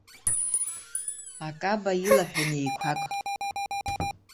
Акаба илаҳәан еиқәак.